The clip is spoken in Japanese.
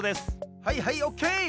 はいはいオッケー！